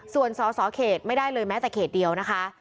ส่วนสสเขตไม่ได้เลยแม้แต่เขตเดียวนะคะ